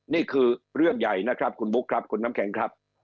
นี่คือเรื่องใหญ่นะครับคุณบุ๊คครับคุณน้ำแข็งครับ